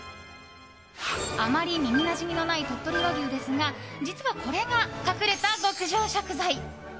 あまり耳なじみのない鳥取和牛ですが実はこれが、隠れた極上食材。